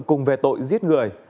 cùng về tội giết người